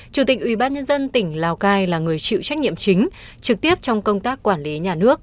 chủ tịch ủy ban nhân dân tỉnh lào cai là người chịu trách nhiệm chính trực tiếp trong công tác quản lý nhà nước